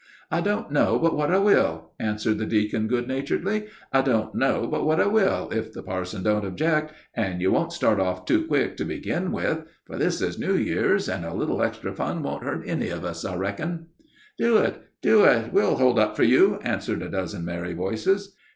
"I don't know but what I will," answered the deacon, good naturedly; "don't know but what I will, if the parson don't object, and you won't start off too quick to begin with; for this is New Year's, and a little extra fun won't hurt any of us, I reckon." [Illustration: THE DEACON AND PARSON.] "Do it, do it; we'll hold up for you," answered a dozen merry voices.